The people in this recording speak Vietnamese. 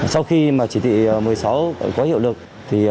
sau khi chỉ thị một mươi sáu ct